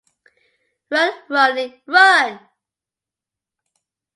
Run Ronnie Run!